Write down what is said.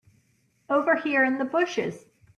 Over here in the bushes.